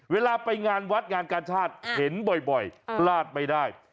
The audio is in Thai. เวลาไปงานวัดงานการชาติเห็นบ่อยพลาดไม่ได้